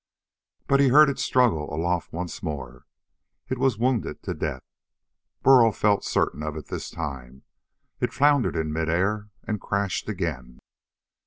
But he heard it struggle aloft once more. It was wounded to death. Burl felt certain of it this time. It floundered in mid air and crashed again.